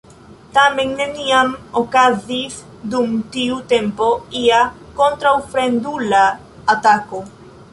Tamen neniam okazis dum tiu tempo ia kontraŭfremdula atako.